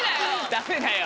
ダメだよ！